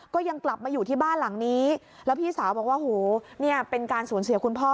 ก็ยังกลับมาอยู่ที่บ้านหลังนี้แล้วพี่สาวบอกว่าโหเนี่ยเป็นการสูญเสียคุณพ่อ